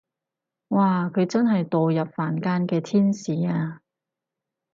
哇佢真係墮入凡間嘅天使啊